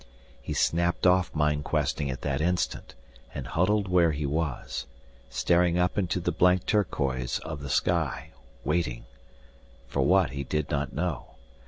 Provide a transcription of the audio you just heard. He snapped off mind questing at that instant and huddled where he was, staring up into the blank turquoise of the sky, waiting for what he did not know.